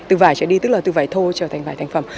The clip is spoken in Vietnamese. từ vải trở đi tức là từ vải thô trở thành vải thành phẩm